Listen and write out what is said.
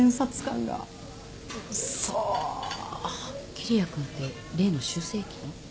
桐矢君って例の修正液の？